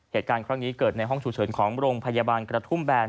เหตุการณ์ครั้งนี้เกิดในห้องฉุกเฉินของโรงพยาบาลกระทุ่มแบน